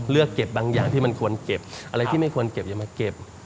เลือกเก็บบางอย่างที่มันควรเก็บอะไรที่ไม่ควรเก็บอย่ามาเก็บ